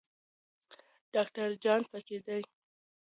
ډاکټر جان پکې دی.